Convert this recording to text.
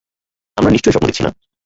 আমরা নিশ্চয়ই স্বপ্ন দেখছি না।